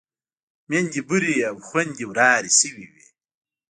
ميندې بورې او خويندې ورارې شوې وې.